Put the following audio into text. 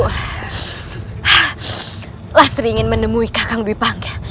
palastri ingin menemui kakang dwi panggil